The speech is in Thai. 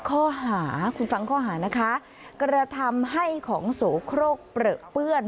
ข้อหาคุณฟังข้อหานะคะกระทำให้ของโสโครกเปลือเปื้อน